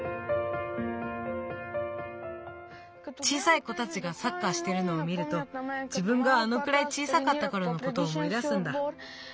小さい子たちがサッカーしてるのを見るとじぶんがあのくらい小さかったころのことをおもい出すんだ。